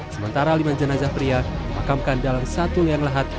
sementara lima jenazah pria dimakamkan dalam satu liang lahat